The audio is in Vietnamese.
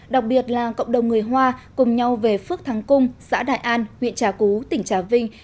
đặc biệt là cộng đồng người hoa cùng nhau về phước thắng cung xã đại an huyện trà cú tỉnh trà vinh